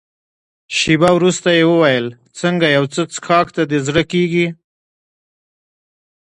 شېبه وروسته يې وویل: څنګه یو څه څیښاک ته دې زړه کېږي؟